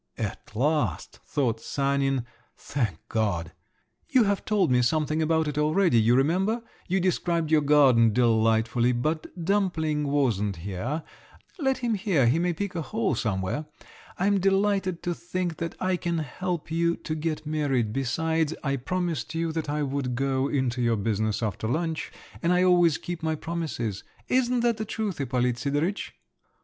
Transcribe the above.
(At last, thought Sanin, thank God!) You have told me something about it already, you remember, you described your garden delightfully, but dumpling wasn't here…. Let him hear, he may pick a hole somewhere! I'm delighted to think that I can help you to get married, besides, I promised you that I would go into your business after lunch, and I always keep my promises, isn't that the truth, Ippolit Sidoritch?"